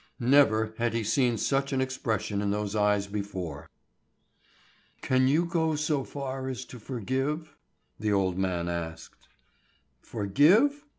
Never had he seen such an expression in those eyes before. "Can you go so far as to forgive?" the old man asked. "Forgive?"